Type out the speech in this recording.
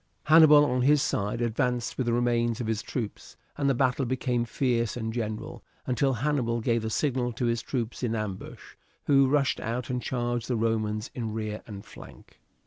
Hannibal on his side advanced with the remains of his troops, and the battle became fierce and general, until Hannibal gave the signal to his troops in ambush, who rushed out and charged the Romans in rear and flank.